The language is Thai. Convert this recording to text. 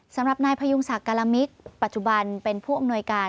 สำหรับนายพยุงศักดิ์การมิตรปัจจุบันเป็นผู้อำนวยการ